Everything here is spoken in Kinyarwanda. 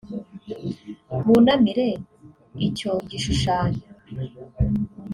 bunamire icyo gishushanyo